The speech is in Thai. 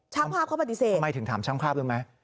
ช่างภาพเขาปฏิเสธทำไมถึงถามช่างภาพรู้ไหม